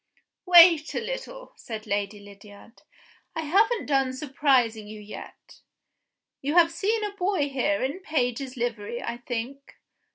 "Wait a little," said Lady Lydiard, "I haven't done surprising you yet. You have seen a boy here in a page's livery, I think?